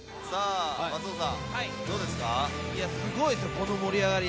すごいっすねこの盛り上がり。